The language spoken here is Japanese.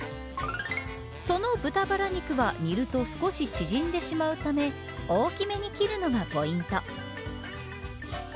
その豚ばら肉は煮ると少し縮んでしまうため大きめに切るのがポイント。